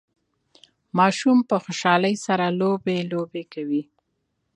ماشوم په خوشحالۍ سره لوبي لوبې کوي